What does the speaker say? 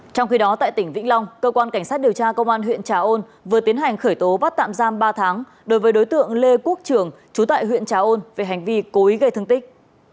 trong khi đó tại tỉnh vĩnh long cơ quan cảnh sát điều tra công an huyện trà ôn vừa tiến hành khởi tố bắt tạm giam ba tháng đối với đối tượng lê quốc trường trú tại huyện trà ôn về hành vi cố ý gây thương tích